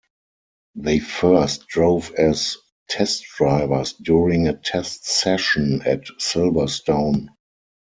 They first drove as test drivers during a test session at Silverstone.